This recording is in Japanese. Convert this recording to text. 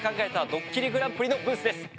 ドッキリＧＰ」のブースです。